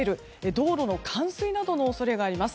道路の冠水などの恐れがあります。